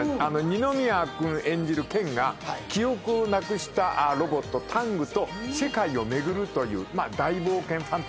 二宮君演じる健が記憶をなくしたロボットタングと世界を巡るという大冒険ファンタジーでありますね。